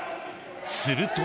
すると。